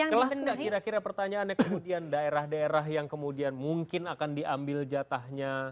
kelas nggak kira kira pertanyaannya kemudian daerah daerah yang kemudian mungkin akan diambil jatahnya